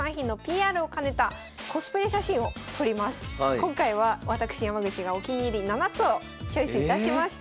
今回は私山口がお気に入り７つをチョイスいたしました。